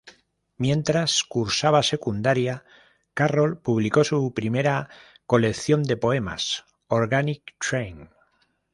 Mientras cursaba secundaria, Carroll publicó su primera colección de poemas: "Organic Trains".